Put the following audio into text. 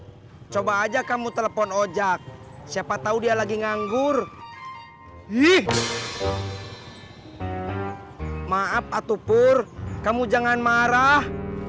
hai coba aja kamu telepon ojak siapa tahu dia lagi nganggur ih maaf atuh pur kamu jangan marah